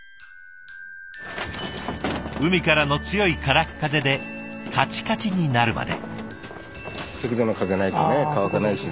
海からの強い空っ風でカチカチになるまで。